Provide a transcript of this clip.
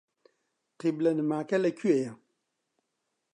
قیبلەنماکە لەکوێیە؟